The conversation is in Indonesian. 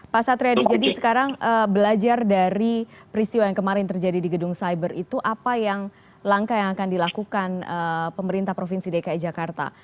pak satriadi jadi sekarang belajar dari peristiwa yang kemarin terjadi di gedung cyber itu apa yang langkah yang akan dilakukan pemerintah provinsi dki jakarta